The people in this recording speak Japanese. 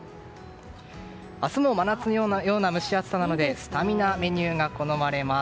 明日も真夏のような蒸し暑さなのでスタミナメニューが好まれます。